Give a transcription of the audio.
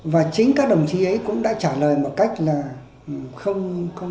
và chính các đồng chí ấy cũng đã trả lời một cách là không